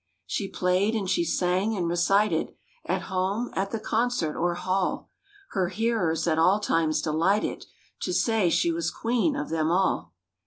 She played and she sang and recited— At home; at the concert or hall. Her hearers at all times delighted To say she was queen of them all.